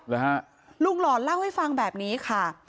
แล้วลูกหล่อเล่าให้ฟังแบบนี้ค่ะ